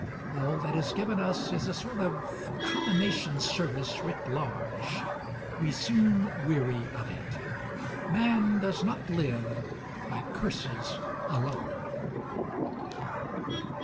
All that is given us is a sort of Commination Service writ large. We soon weary of it. Man does not live by curses alone.